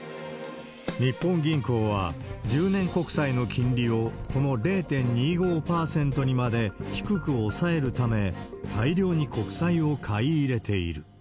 日本銀行は、１０年国債の金利をこの０．２５％にまで低く抑えるため、大量に国債を買い入れている。